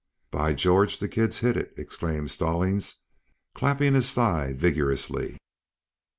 "By George, the kid's hit it!" exclaimed Stallings, clapping his thigh vigorously.